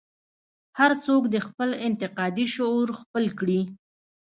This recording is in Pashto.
هر څوک دې خپل انتقادي شعور خپل کړي.